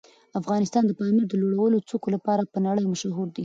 افغانستان د پامیر د لوړو څوکو لپاره په نړۍ مشهور دی.